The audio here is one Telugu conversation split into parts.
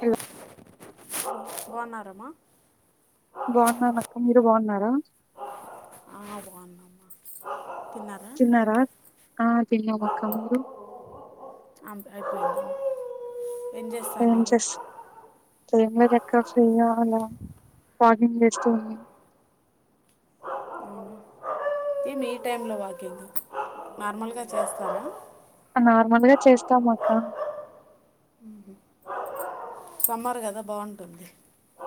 హలో బాన్నరమ్మ బాన్ననక్క మీరు బాగున్నారా అ అమ తిన్నారా [inaudible] ఆ తిన్నామక్క మీరు ఏం చేస్త ఏంలేదు అక్క ఫ్రీగా ఉన్న వాకింగ్ చేస్తూ ఉన్న ఏమి ఈ టైమ్ లో వాకింగ్ నార్మల్గా చేస్తారా నార్మల్గా చేస్తాం అక్క సమ్మర్ కదా బాగుంటుంది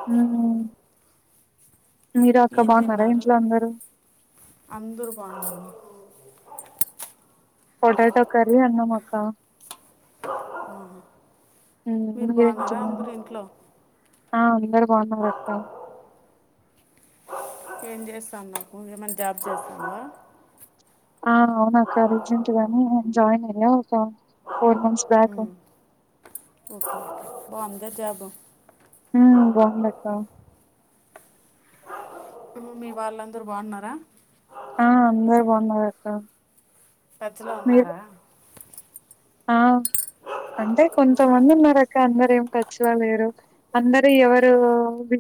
హ్మ్ ఏం తిన్నారు అందరు బాగున్నారా పొటాటో కర్రీ తిన్నాం అక్క మీరు అకదం చె బాగున్నారా అందరూ ఇంట్లో ఆ అందరు బాగున్నారు అక్క ఏం చేస్తన్నావు ఏమైనా జాబ్ చేస్తన్నావా ఆ అవును అక్క రీసెంట్ గానే జాయిన్ అయ్యా ఒక ఫోర్ మంత్స్ బ్యాక్ ఓక బొందా జాబు ఉ బొందక్క మీ వాళ్ళందరు బాగున్నారా ఆ అందరు బాగున్నారు అక్క టచ్ లో మీరు ఉన్నారా ఆ అంటే కొంతమంది ఉన్నారు అక్క అందరు ఏం టచ్ లో లేరు అందరు ఎవరు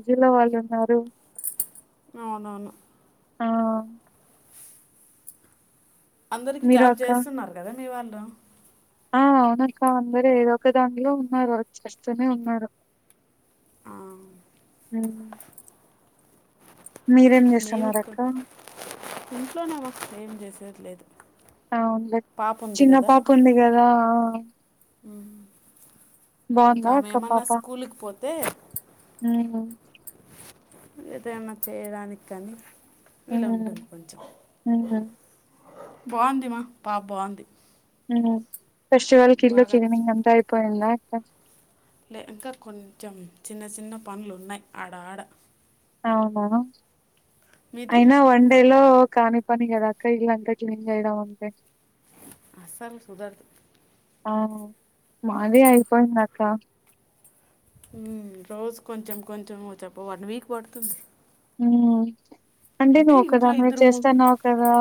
రిలో వాళ్ళు ఉన్నారు అవునవును ఆ అందరికి మీరు జాబ్ అక్క చేస్తున్నారు కదా మీ వాళ్ళు ఆ అవునక్క అందరు ఏదో ఒక దాంట్లో ఉన్నారు వచ్చేస్తూనే ఉన్నారు ఆ, అ మీరేం చేస్తున్నారు అక్క ఇంట్లోనేవ ఏం చేసేది లేదు అవునులే పాప ఉంది చిన్న కదా పాపు ఉంది కదా ఇంకా బాగుందా ఆమె అక్క ఏమన్నా పాప స్కూల్ కి పోతే ఏదైనా చేయడానికి కానీ వీలు ఉంటుంది కొంచెం బాగుందిమా పాప బాగుంది ఫెస్టివల్క్ ఇల్లు బాగా క్లీనింగ్ అంతా అయిపోయిందా అక్క లే ఇంకా కొంచెం చిన్న చిన్న పనులున్నాయి ఆడ ఆడ అవునా మీది అయినా వన్ డే లో కాని పని కదా అక్క ఇలంతా క్లీన్ చేయడం అంటే అస్సలు కుధారధు ఆ మాది అయిపోయిందక్క రోజు కొంచెం కొంచెం చెప్ప వన్ వీక్ పడుతుంది ఉమ్ అంటే ఇంట్లో నువొకదానివే ఇద్దరు ము- చేస్తున్నావ్ కదా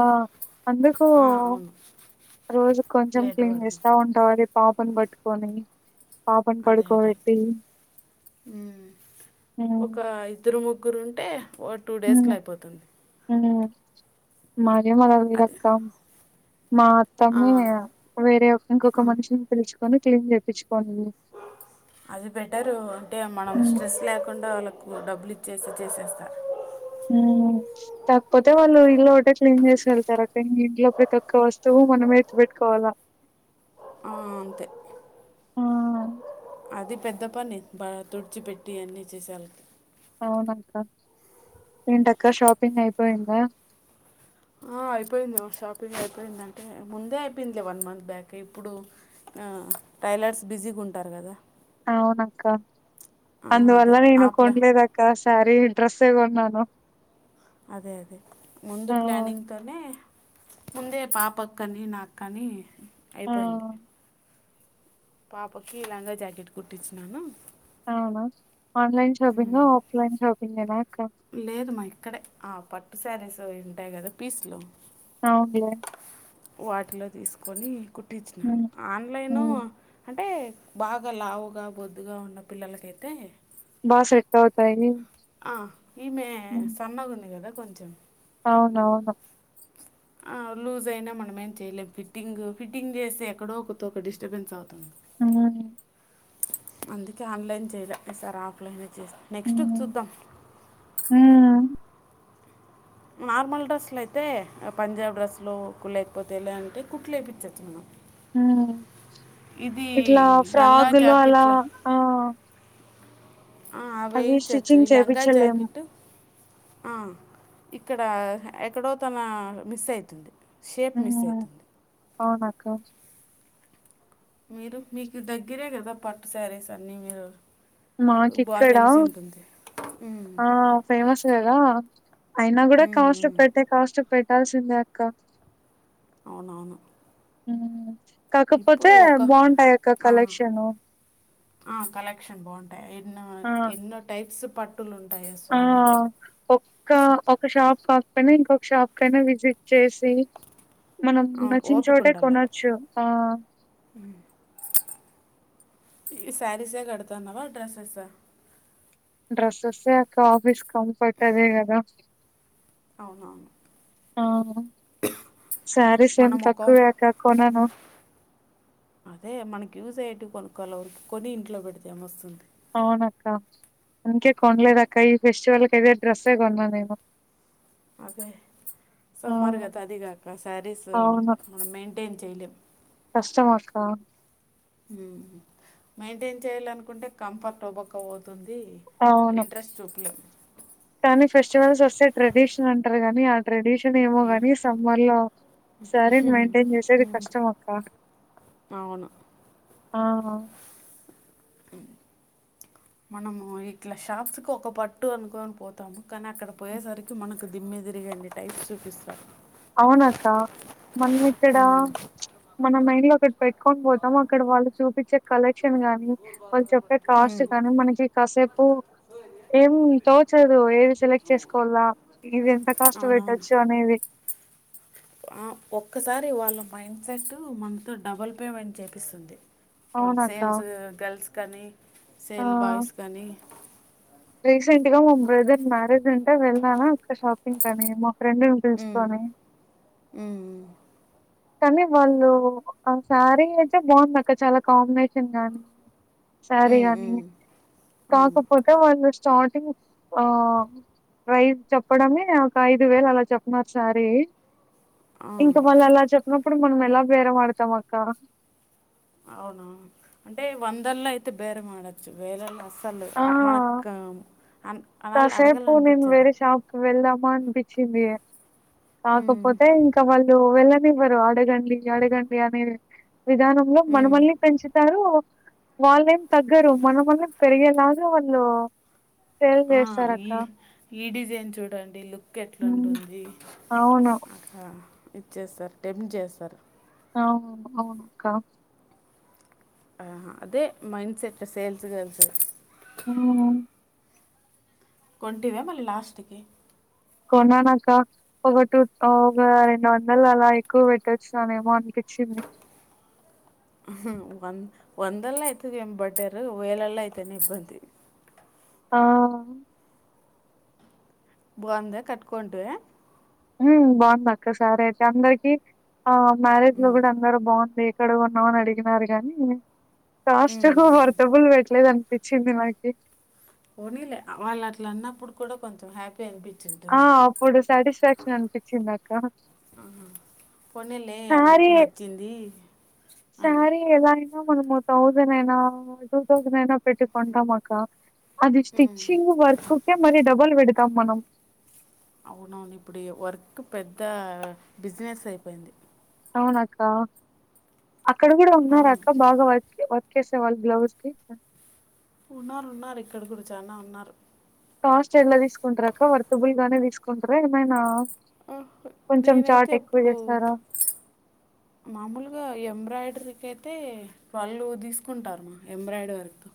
అందుకు ఆ, అవును రోజు కొంచెం లేట్ క్లీన్ పడుతుంది చేస్తా ఉంటావ్ అది పాపను పట్టుకొని పాపను అదే అదే పడుకోబెట్టి హ్మ్ ఒకర ఇద్దరు ము గ్గురు ఉంటే ఓ టూ డేస్లో అయిపోతుంది మారి మలా వి అది రక్క మా ఆ, అత్తమేము వేరే ఇంకొక ఆ. మనిషిని పిలుసుుకొని క్లీన్ చేపించి అది బెటరు అంటే మనం హ్మ్ స్ట్రెస్ లేకుండా వాళ్ళకు డబ్బులు ఇచ్చేస చేసేస్తారు హ కాకపోతే వాళ్ళు ఇల్లు ఒకటే క్లీన్ చేసుకెళ్తారు అక్క ఇంట్లో ప్రతి ఒక్క వస్తువు మనమే కోవలా ఆ అంతే అది పెద్ద పని తుడిచిపెట్టి అన్నిీ చేసేాల అవునక్క ఏంటక్క షాపింగ్ అయిపోయిందా అయిపోయింది షాపింగ్ అయిపోయిందంటే ముందే అయిపోయిందిలే వన్ మంత్ బ్యాక్ ఇప్పుడు టైలర్స్ బిజీగా ఉంటారు కదా అవునక్క ఆ, అందువల్ల అదే నేను ఆప్లా కొనాలేదు అక్క సారీ డ్రెస్ ఏ కొన్నాను అదే అదే ముందు ఆ ప్లానింగ్ తోనే ముందే పాపక్కని నాకానీ ఆ అయిపోయింది పాపకి లంగా జాకెట్ కుట్టించినను ఆనా ఆన్లైన్ షాపిింగ్ ఆఫ్లైన్ షాపిింగ్ లేదుమ్ మా ఇక్కడే ఆ పట్టు శారీస్ ఉంటాయి కదా పీస్లు అవునులే వాటిలో తీసుకొని కుట్టించినాను హ్మ్ ఆన్లైన్ హ్మ్ అంటే బాగా లావుగా బొద్దుగా ఉన్న పిల్లలకైతే బా సెట్ అయినయ్ ఆ ఈమె సన్నగా ఉంది కదా కొంచెం అవునవును ఆ లూజ్ అయినా మనమ ఏం చెయలేం ఫిట్టింగ్ ఫిట్టింగ్ చేస్తే ఎక్కడో ఒక ఒక డిస్టర్బెన్స్ అవుతుంది అ అందుకే ఆన్లైన్ చేయలే ఈ సారీ ఆఫ్లైన్ నెక్స్ట్ హ్మ్ చూద్దాం హ్మ్ నార్మల్ డ్రెస్సులు అయితే పంజాబ్ డ్రెస్లు లేకపోతే లే అంటే కుట్లు వయిించచ్చు మనం ఇది ఇట్లా లంగా ఫ్రాగులు అలా జాకెట్లు ఆ ఆ వేయి అవి చచ్చు స్టిచ్చింగ్ ఈ లంగా చేపిచ్చలేము జాకెట్ ఆ ఇక్కడ ఎక్కడో తన మిస్ అయితుంది షేప్ మిస్ అవుతుంది అవునక్కా మీరు మీకు దగ్గిరే కదా పట్టు సారేసన్నీ మీరు బాగా మాకిక్కడా తెలిసి ఉంటుంది ఉమ్, ఆ ఫేమస్ కదా అయినా కూడా ఉమ్, కాస్ట్ ఉమ్. పెద్ద కాస్ట్ పెట్టే పెట్టాల్సిందే అక్క అవునవును హ్మ్మ్ కాకపోతే ఇప్పుడు ఒక బాగుంటాయి అక్క ఆ, కలెక్షన్ ఎన్న ఎన్నో టైప్స్ పట్టులుంటాయే ఆ స్వామి. ఒక్క ఒక షాప్ కా నా ఇంకొక షాప్ కనా విజిట్ చేసి మనం అవును. నచ్చిన చోటే ఓపికుండల్ల. కొనొచ్చు ఆ ఈ శారీసే కడుతుాన్నావా డ్రెస్సెసా డ్రెస్సెస్ే అక్క ఆఫీస్ కంఫర్ట్ అదే కదా అవున అవును సారీ సేమ్ తక్కువేక కొనను అదే మనకి యూజ అయ్యేటివి కొనుక్కవాలి వరికి కొన్ని ఇంట్లో పెడితేామ వస్తుంది అవునక్క అందుకే కొనలేదు అక్క ఈ ఫెస్టివల్ క అదే డ్రెస్సే కొన్నా నేను అదే ఆ! సమ్మర్గా అద అదిగాక సారీస్ మనం మెయింటైన్ చేయలేము కష్టమాక్క మెయింటైన్ చేయాల అనుకుంటే కంఫర్ట్ ఒబక పోతుంది అది అవును. ఇంట్రెస్ట్ చూపలేం కానీ ఫెస్టివల్స్ వస్తే ట్రెడిషన్ అంటారు కానీ ఆ ట్రెడిషన్ అనే ఏమో కానీ సమ్మర్ లో శారీని మెయింటైన్ చేసేది కష్టం అక్క అవును ఆహా మనము ఇట్లా షాప్స్కిి ఒక పట్టు అనుకని పోతాము కానీ అక్కడ పోయేసరికి మనకు ద మీదిరిగండి టైప్స్ చూపిస్తారు అవునాక్క మనం ఇక్కడ మన మైండ్లో ఇక్కడ పెట్టుకొని పోతాం అక్కడ వాళ్ళు చూపించే కలెక్షన్ గానీ వాళ్ళు చెప్పే కాస్ట్ కానీ మనకి కాసేపు ఏం తోచదు ఏ సెలెక్ట్ చేసుకోవాలా ఇవి ఎంత కాస్ట్ అవునవును పెట్టొచ్చు అనేవి ఒక్కసారి వాళ్ళ మైండ్ సెట్ మనతో డబుల్ పేమెంట్ చేపిస్తుంది వాళ్ళు అవునక్క. సేల్స్ గర్ల్స్ కానీ ఆ సేల్ బాయ్స్ కానీ రీసెంట్ గా మా బ్రదర్ మ్యారేజ్ ఉంటే వెళ్ళానా ఒక షాపింగ్ అనీ మో ఫ్రెండును పిలుచుకోని కానీ వాళ్ళు ఆ శారీ అయితేే బాగుంది అక్క చాలా కాంబినేషన్ గానీ సారి కానీ అవును కాకపోతే వాళ్ళు స్టార్టింగ్ ఆ ప్రైజ్ చెప్పడమే ఒక ఐదు వేలు అలా చెప్పినారు సారి ఆ, ఇంకా వాళ్ళు అలా చెప్పినప్పుడు మనం ఎలా బేర ఆడతాం అక్క అవునా అంటే వందలో అయితే బేరం ఆడొచ్చు వేలల్లో అసలు ఆ మనకు అ అళు అడగలనిపించదు అమ్మో అనిపించింది ఉమ్, కాకపోతే ఇంకా వాళ్ళు వెళ్ళ ఇవ్వరు అడగండి అడగండి అనే విధానంలో ఉమ్. మనమల్ని పెంచుతారు వాళ్ళేం తగ్గరు మనమలనే పెరిగేలాగా వాళ్ళు సేల్ ఆ, చేస్తారు అక్క ఈ ఈ డిజైన్ చూడండి లుక్ ఎట్లాంటుంది అవును అ ఇచ్చేస్తారు టెప్ట్ చేస్తారు అవు అవునక్క ఆ అదే మైండ్ సెట్ సేల్స్ గల్స్ ఉ కొంటివ మళ్ళీ లాస్ట్కి కొన్నాక ఒక టూ ఒక రెండు వందలు అలా ఎక్కువ పెట్టొచ్చుిననేమో అనిపించింది చింది వంద వందల అయితుదిం బట్టారు వేలల్ అయితేనే నిబ్బంది [inaudible] ఆ బాగుందా కట్టుకొంటివ బాగుంది అక్క సారి అయితే అందరికి ఆ మ్యారేజ్ లో కూడా అందరు బాగుంది ఇక్కడ కోన్నావు అని అడిగినారు కగానీ కాస్ట్ ఉమ్. వర్తబుల్ పెట్టలేదని తెచ్చింది నాకి పోనీలే వాళ్ళు అట్లా అన్నప్పుడు కూడా కొంచెం హ్యాపీ అనిపించి ఆ ఉంటుంది అప్పుడు సాటిస్ఫాక్షన్ అనిపించిందాక్క పోనీలే అందరికిీ నచ్చింది అని సారీ ఎలా అయినా మనము థౌసండ్ అయినా టూ థౌసండ్ అయినా పెట్టి కొంటాము అక్క అది ఉమ్, స్టిచ్చింగ్ వర్క్కే మరి డబల్ పెడతాం మనం అవునవును ఇప్పుడు వర్క్ పెద్ద బిజినెస్ అయిపోయింది అవునక్క అక్కడ కూడా ఆ ఉన్నార అక్క బాగా వ వర్క్ చేసే వాళ్లు బ్లౌస్ కి ఉన్నారున్నారు ఇక్కడ కూడ చానా ఉన్నారు కాస్ట్ ఎడ్లా తీసుకుంటారక్క వర్తుబుల్ గానే తీసుకుంటారా ఏమైనా ఆ కొంచెం నేనైతే చాట్ ఎక్కువ ఎప్పుడు చేస్తారా మామూలుగా ఎంబ్రాయిడరీ ఒకరికి అయితే ట్వల్వ్ తీసుకుంటారు మా ఎంబ్రాయిడరీ వర్కు.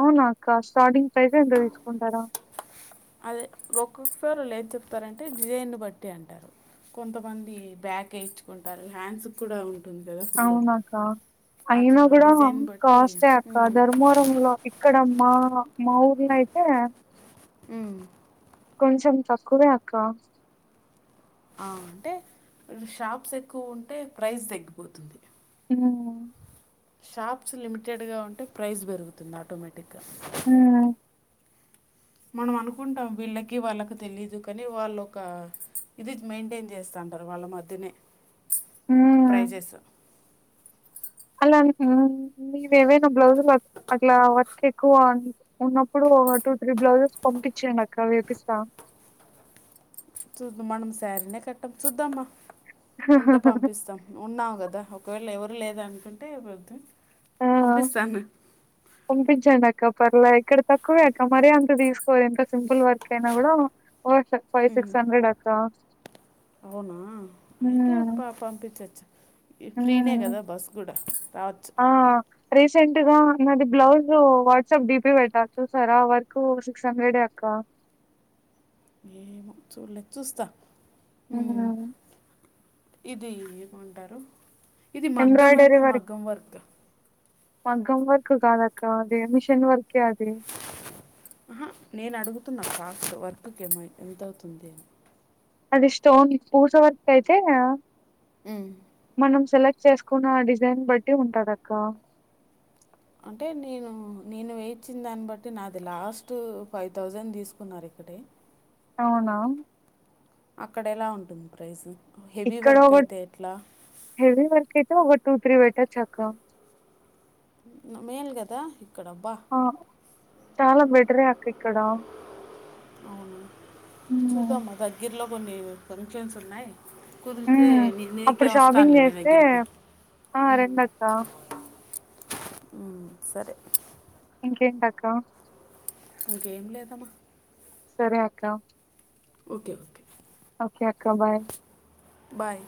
అవునా అక్క స్టార్టింగ్ ప్రైసె అంత తీసుకుంటారా. అదే ఒక్కొక్కరు వీళ్ళు ఏం చెప్తారంటే డిజైన్ని బట్టి అంటారు. కొంతమంది బ్యాక్ వేయించుకుంటారు హ్యాండ్స్ కూడా ఉం అవునా అక్క. అయినా అట్లా కూడా డిజైన్ బట్టి కాస్ట్ ఏ అక్క ఉమ్ ధర్మవరం లో ఇక్కడ మా మా ఊ ఇలా అయితే మ్ కొంచెం తక్కువే అక్క. ఆ అంటే షాప్స్ ఎక్కువ ఉంటే ప్రైస్ తగ్గిపోతుంది. హ్మ్ షాప్స్ లిమిటెడ్గా ఉంటే ప్రైస్ పెరుగుతుంది ఆటోమేటిగ్గా. ఉమ్ మనం అనుకుంటాం వీళ్ళకి, వాళ్ళకి తెలీదు కానీ వాళ్ళోక ఇది మెయింటైన్ చేస్థాంటారు వాళ్ళ మధ్యనే ఉమ్ ప్రైసెస్. అలా అని న్ నీవి ఏవైనా బ్లౌజులు అట్లా వర్క్ ఎక్కువ అ ఉన్నప్పుడు. ఒ టూ, త్రీ బ్లౌజెస్ పంపించండి అక్క వేపిస్తా. చూద్దాం మనం సారినే కట్టం చుద్దాం మా. ఉంటే పంపిస్తాం ఉన్నావు కదా ఒకవేళ ఎవరు లేరు అనుకుంటే వద్దు. ఆ పంపిస్తాను పంపించండక్క. పర్లే అక్క ఇక్కడ తక్కువే అక్క మరీ అంత తీసుకోరు ఎంత సింపుల్ వర్క్ అయినా కూడా. అవ్వొచ్చు ఫైవ్, సిక్స్ హండ్రెడ్ అక్క. అవునా అయితే ఉమ్ ప పంపించచ్చు. ఫ్రీనే కదా బస్ కూడా రావచ్చు. ఆ రీసెంట్ గా నాది బ్లౌజ్ వాట్సాప్ డీపీ పెట్టా చూసారా వర్కు సిక్స్ హండ్రెడే అక్క. [unintelligible] ఏమో చూడలేదు చూస్తా. ఎవరామే ఇది ఏమంటారు ఇది మగ్గం అయితే మగ్గం వర్క్. మగం వర్క్ కాదు అక్క అది మిషన్ వర్క్. అహా నేను అడుగుతున్నా కా వర్కుకి ఏమయి ఎంత అవుతుంది. అది స్టోన్, పూస వర్క్ అయితే మనం సెలెక్ట్. చేసుకున్న డిజైన్ బట్టి ఉంటది అక్క. అంటే నేను నేను వేయిచ్చిన్ దాన్ని బట్టి నాది లాస్ట్ ఫైవ్ థౌజండ్ తీసుకున్నారు. రొట్టె అవునా అక్కడ ఎలా ఉంటుంది ప్రైసు. ఇక్కడ ఒన్ హెవీ వర్క అయితే ఒన్. టూ, త్రీ వవెట్టొచ్చు అక్క. ఐన మేల్ కదా ఇక్కడ అబ్బా. బెటర్ ఏ అక్క ఇక్కడ. అవును చుద్దాము మ్మ్ దగ్గరలో కొన్ని ఫంక్షన్స్ ఉన్నాయి. కుదిరితే నేన్ నీకె అప్పుడు షాపింగ్ వస్తానులే నీ చేస్తే దగ్గరికి. ఆ రండి అక్క. హమ్ సరే. ఇంకేంటి అక్కా. ఇంకేం లేదమ్మ. సరే అక్క. Okay okay. ఓకే అక్క బాయ్. బాయ్